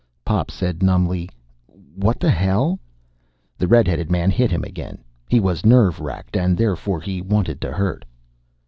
Pop said numbly: "What the hell?" The red headed man hit him again. He was nerve racked, and, therefore, he wanted to hurt.